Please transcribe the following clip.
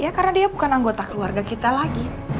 ya karena dia bukan anggota keluarga kita lagi